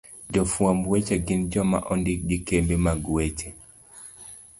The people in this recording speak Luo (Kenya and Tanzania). Jofwamb weche gin joma ondik gi kembe mag weche